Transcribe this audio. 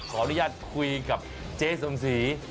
ขออนุญาตคุยกับเจ๊สมศรี